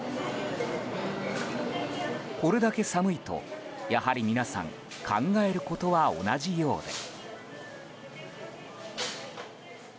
これだけ寒いと、やはり皆さん考えることは同じようで。